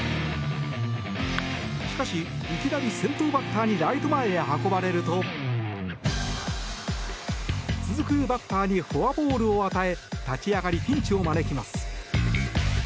しかし、いきなり先頭バッターにライト前へ運ばれると続くバッターにフォアボールを与え立ち上がりピンチを招きます。